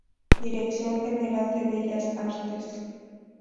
Dirección general de Bellas Artes.